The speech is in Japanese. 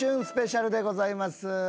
スペシャルでございます。